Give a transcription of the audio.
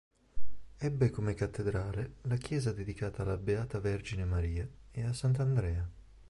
Ebbe come cattedrale la chiesa dedicata alla Beata Vergine Maria e a Sant'Andrea.